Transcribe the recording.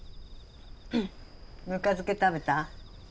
ぬか漬け食べた？